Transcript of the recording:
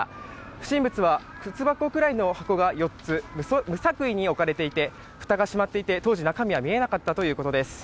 不審物は靴箱くらいのものが４つ無作為に置かれていてふたが閉まっていて当時、中身は見えなかったということです。